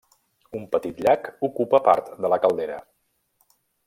Un petit llac ocupa part de la caldera.